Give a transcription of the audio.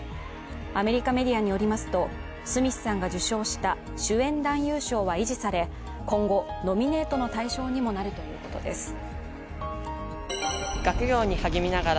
アメリカメディアによりますとスミスさんが受賞した主演男優賞は維持され今後、ノミネートの対象にもなるということです。